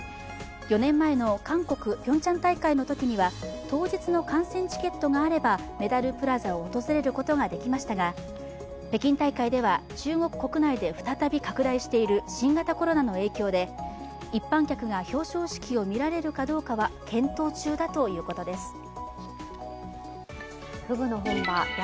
４年前の韓国ピョンチャン大会のときには、当日の観戦チケットがあればメダルプラザを訪れることができましたが北京大会では、中国国内で再び拡大している新型コロナの影響で一般客が表彰式を見られるかどうかは検討中だということです。